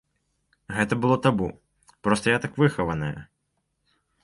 Гэта было табу, проста я так выхаваная.